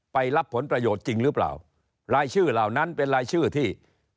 รับผลประโยชน์จริงหรือเปล่ารายชื่อเหล่านั้นเป็นรายชื่อที่